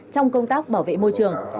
trong công tác bảo vệ môi trường